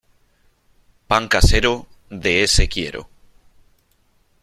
Pan casero, de ése quiero.